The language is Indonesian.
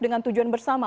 dengan tujuan bersama